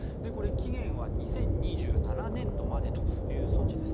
期限は２０２７年度までという措置です。